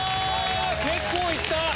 結構行った！